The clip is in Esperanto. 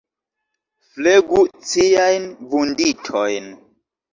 Flegu ciajn vunditojn.